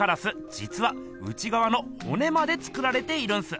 じつは内がわのほねまで作られているんす。